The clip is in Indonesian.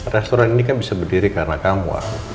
restoran ini kan bisa berdiri karena kamu